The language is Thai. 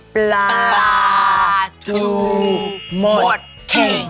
ปลาทูหมดเข่ง